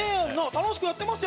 楽しくやってますよ